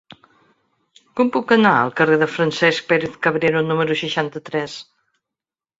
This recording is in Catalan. Com puc anar al carrer de Francesc Pérez-Cabrero número seixanta-tres?